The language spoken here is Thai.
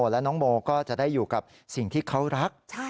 และน้องโมก็จะได้อยู่กับสิ่งที่เขารัก